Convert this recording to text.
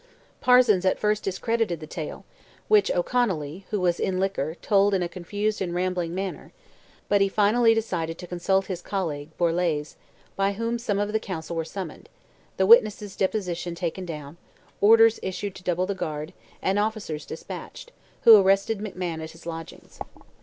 Parsons at first discredited the tale, which O'Connolly (who was in liquor) told in a confused and rambling manner, but he finally decided to consult his colleague, Borlase, by whom some of the Council were summoned, the witness's deposition taken down, orders issued to double the guard, and officers despatched, who arrested McMahon at his lodgings.